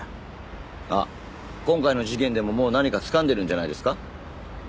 あっ今回の事件でももう何かつかんでるんじゃないですか？